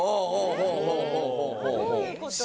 どういうこと？